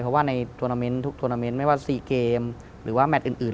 เพราะว่าในทวนาเมนต์ทุกทวนาเมนต์ไม่ว่า๔เกมหรือว่าแมทอื่น